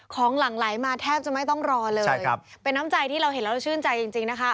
หลั่งไหลมาแทบจะไม่ต้องรอเลยเป็นน้ำใจที่เราเห็นแล้วเราชื่นใจจริงจริงนะคะ